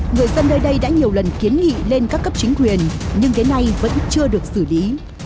người dân nơi đây đã nhiều lần kiến nghị lên các cấp chính quyền nhưng đến nay vẫn chưa được xử lý